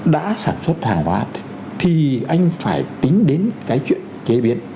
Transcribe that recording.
đã sản xuất hàng hóa thì anh phải tính đến cái chuyện chế biến